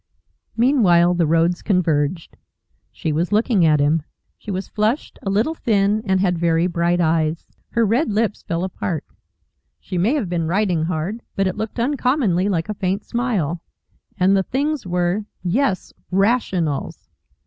Meanwhile the roads converged. She was looking at him. She was flushed, a little thin, and had very bright eyes. Her red lips fell apart. She may have been riding hard, but it looked uncommonly like a faint smile. And the things were yes! RATIONALS!